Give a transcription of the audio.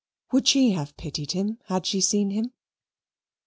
Would she have pitied him had she seen him?